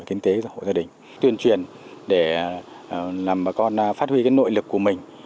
kinh tế và hội gia đình tuyên truyền để làm bà con phát huy nội lực của mình